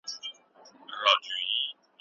ماشومان باید د ککړتیا کمولو لارې زده کړي.